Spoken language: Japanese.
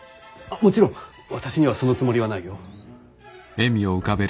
もちろん私にはそのつもりはないよ。